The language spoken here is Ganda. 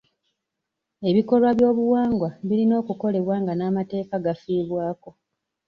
Ebikolwa by'obuwangwa birina okukolebwa nga n'amateeka gafiibwako.